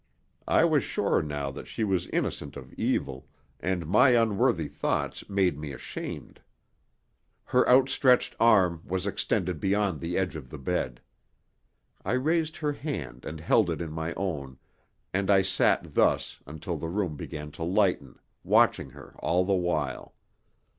I was sure now that she was innocent of evil, and my unworthy thoughts made me ashamed. Her outstretched arm was extended beyond the edge of the bed. I raised her hand and held in it my own, and I sat thus until the room began to lighten, watching her all the while.